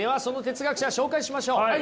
その哲学者紹介しましょう！